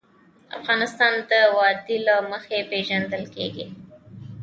افغانستان د وادي له مخې پېژندل کېږي.